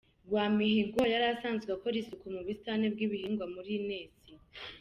Rwamihigo yari asanzwe akora isuku mu busitani bw’ibihingwa muri Ines.